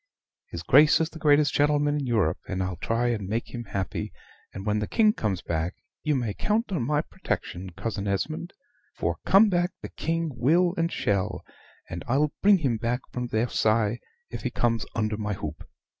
His Grace is the greatest gentleman in Europe, and I'll try and make him happy; and, when the King comes back, you may count on my protection, Cousin Esmond for come back the King will and shall; and I'll bring him back from Versailles, if he comes under my hoop."